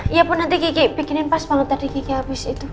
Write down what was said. ya bu nanti kiki bikinin pas banget tadi kiki habis itu